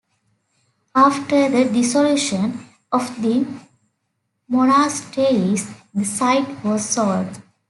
After the Dissolution of the Monasteries the site was sold.